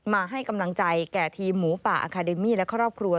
มาให้กำลังใจแก่ทีมหมูป่าอาคาเดมี่และครอบครัว